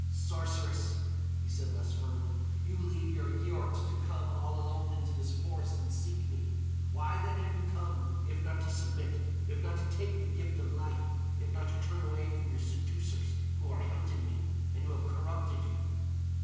"Sorceress," he said less firmly, "you leave your Yiort to come all alone into this forest and seek me. Why then have you come, if not to submit!—if not to take the gift of life—if not to turn away from your seducers who are hunting me, and who have corrupted you?"